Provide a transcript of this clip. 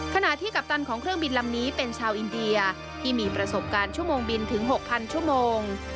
ขณะที่กัปตันของเครื่องบินลำนี้เป็นชาวอินเดียที่มีประสบการณ์ชั่วโมงบินถึง๖๐๐ชั่วโมง